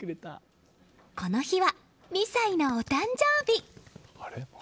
この日は、２歳のお誕生日！